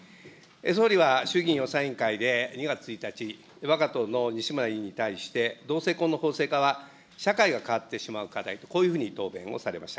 総理は衆議院予算委員会で、２月１日、わが党の西村議員に対して同性婚の法制化は社会が変わってしまう課題と、こういうふうに答弁をされました。